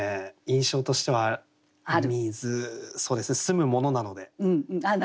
印象としては水そうですね澄むものなので。